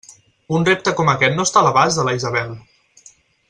Un repte com aquest no està a l'abast de la Isabel!